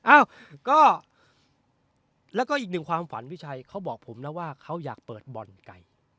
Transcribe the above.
อ้าวก็แล้วก็อีกหนึ่งความฝันพี่ชัยเขาบอกผมนะว่าเขาอยากเปิดบ่อนไก่